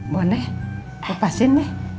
boleh kupasin deh